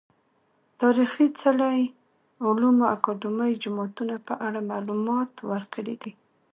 تاريخي څلي، علومو اکادميو، جوماتونه په اړه معلومات ورکړي دي .